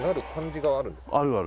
あるある。